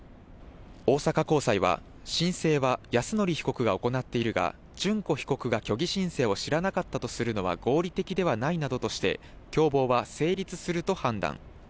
大阪高裁は、申請は泰典被告が行っているが、諄子被告が虚偽申請を知らなかったとするのは合理的ではないなどとして、共謀は成立すると判断。